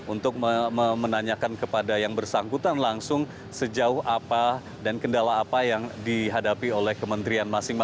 untuk menanyakan kepada yang bersangkutan langsung sejauh apa dan kendala apa yang dihadapi oleh kementerian masing masing